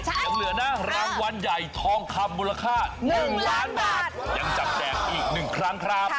ยังเหลือนะรางวัลใหญ่ทองคำมูลค่า๑ล้านบาทยังจับแจกอีก๑ครั้งครับ